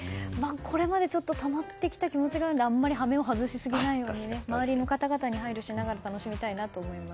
これまで、ちょっとたまってきた気持ちがあるのであまり羽目を外しすぎないように周りの人に配慮しながら楽しみたいと思います。